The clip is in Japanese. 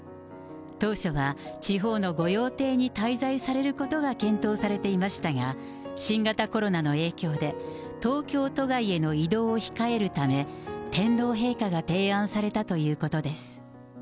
当初は地方の御用邸に滞在されることが検討されていましたが、新型コロナの影響で、東京都外への移動を控えるため、天皇陛下が提案されたということです。